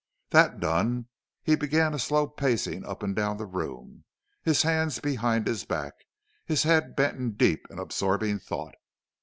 That done, he began a slow pacing up and down the room, his hands behind his back, his head bent in deep and absorbing thought.